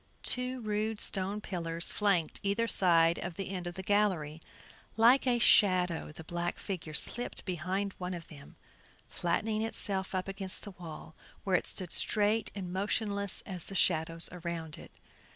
Two rude stone pillars flanked either side of the end of the gallery. Like a shadow the black figure slipped behind one of these, flattening itself up against the wall, where it stood straight and motionless as the shadows around it.